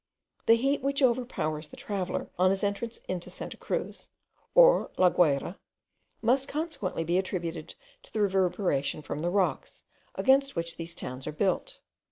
The heat which overpowers the traveller on his entrance into Santa Cruz, or La Guayra, must consequently be attributed to the reverberation from the rocks, against which these towns are built.